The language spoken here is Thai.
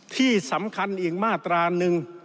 ที่สำคัญอีกมาตราหนึ่ง